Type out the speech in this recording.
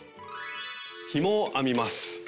「ひもを編みます」。